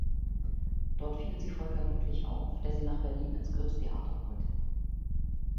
Dort fiel sie Volker Ludwig auf, der sie nach Berlin ins Grips-Theater holte.